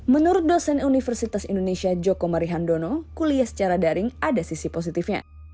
menurut dosen universitas indonesia joko marihandono kuliah secara daring ada sisi positifnya